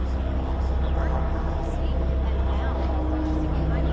hari ini saya akan mencoba